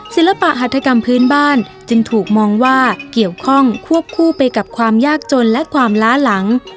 ศิลปะหัฐกรรมพื้นบ้านจึงถูกมองว่าเกี่ยวข้องควบคู่ไปกับความยากจนและความล้าหลัง